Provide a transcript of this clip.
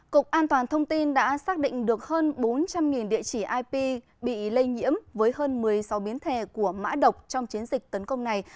cục an toàn thông tin đã xác định được hơn bốn trăm linh địa chỉ ip bị lây nhiễm với hơn một mươi sáu biến thể của mã độc trong chiến dịch tấn công này